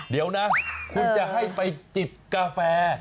เดี๋ยวนะคุณจะให้ไปจิบกาแฟ